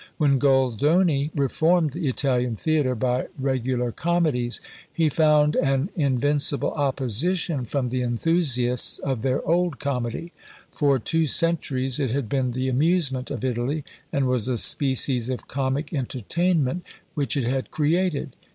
When Goldoni reformed the Italian theatre by regular comedies, he found an invincible opposition from the enthusiasts of their old Comedy: for two centuries it had been the amusement of Italy, and was a species of comic entertainment which it had created.